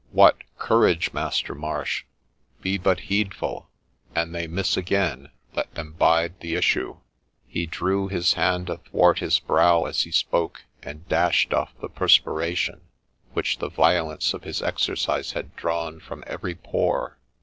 What ! courage, Master Marsh ; but be heedful ; an they miss again, let them bide the issue !' He drew his hand athwart his brow as he spoke, and dashed off the perspiration, which the violence of his exercise had drawn from every pore.